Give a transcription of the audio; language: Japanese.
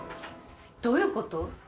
どういうこと？